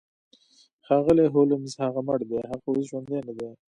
ښاغلی هولمز هغه مړ دی هغه اوس ژوندی ندی